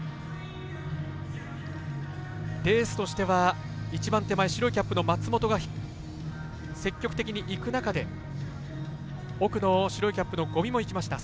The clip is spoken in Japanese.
レースとしては一番手前白いキャップの松本が積極的にいく中で奥の白いキャップの五味も行きました。